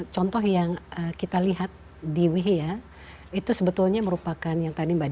contoh yang kita lihat di wehia itu sebetulnya merupakan yang tadi mbak desi